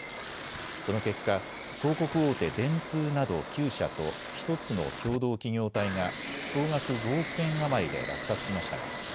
その結果、広告大手、電通など９社と１つの共同企業体が総額５億円余りで落札しました。